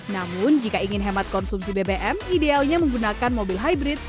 namun jika ingin hemat konsumsi bbm idealnya menggunakan mobil hybrid